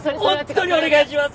本当にお願いします！